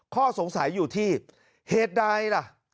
ข้อสงสัยอยู่ที่เหตุใดล่ะ